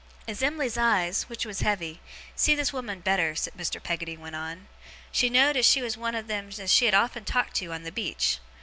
'As Em'ly's eyes which was heavy see this woman better,' Mr. Peggotty went on, 'she know'd as she was one of them as she had often talked to on the beach.